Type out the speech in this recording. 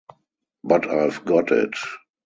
But I've got it!